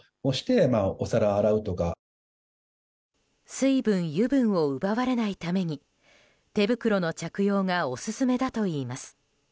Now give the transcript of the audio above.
水分、油分を奪われないために手袋の着用がオススメだといいます。